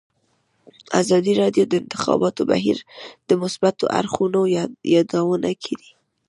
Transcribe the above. ازادي راډیو د د انتخاباتو بهیر د مثبتو اړخونو یادونه کړې.